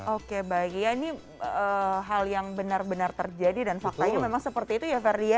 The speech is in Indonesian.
oke baik ya ini hal yang benar benar terjadi dan faktanya memang seperti itu ya ferdi ya